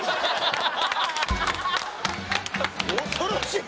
恐ろしい。